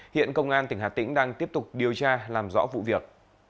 hiện công an tỉnh hà tĩnh đang tiếp tục điều tra làm rõ vụ việc